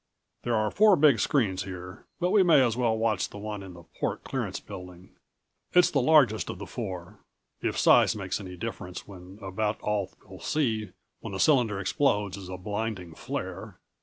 There are four big screens here, but we may as well watch the one in the port clearance building. It's the largest of the four if size makes any difference when about all we'll see when the cylinder explodes is a blinding flare.